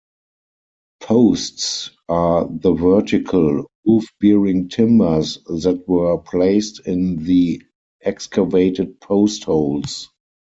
Posts are the vertical, roof-bearing timbers that were placed in the excavated post holes.